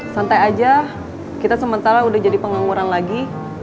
santai saja kita sementara sudah jadi pengangguran lagi